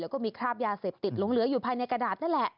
แล้วก็มีคราบยาเสพติดหลงเหลืออยู่ภายในกระดาษนั่นแหละ